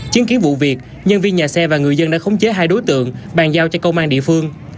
chứng kiến vụ việc nhân viên nhà xe và người dân đã khống chế hai đối tượng bàn giao cho công an địa phương